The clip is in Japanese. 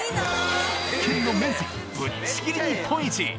県の面積ぶっちぎり日本一！